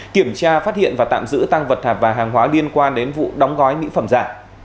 kiểm tra phát hiện và tạm giữ tăng vật thạp và hàng hóa liên quan đến vụ đóng gói mỹ phẩm giả